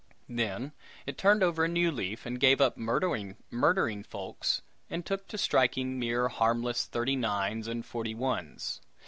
Then it turned over a new leaf, and gave up murdering folks, and took to striking mere harmless thirty nines and forty ones.